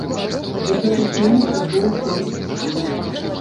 За гэту суму ўжо ўсё распісана!